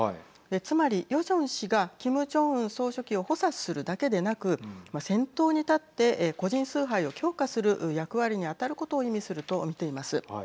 つまり、ヨジョン氏がキム・ジョンウン総書記を補佐するだけでなく先頭に立って個人崇拝を強化する役割に当たることを意味すると見ています。